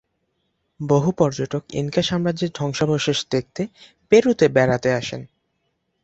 বহু পর্যটক ইনকা সাম্রাজ্যের ধ্বংসাবশেষ দেখতে পেরুতে বেড়াতে আসেন।